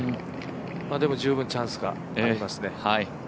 でも十分チャンスがありますね。